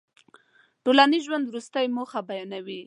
د ټولنیز ژوند وروستۍ موخه بیانوي.